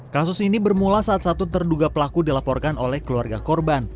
kasus ini bermula saat satu terduga pelaku dilaporkan oleh keluarga korban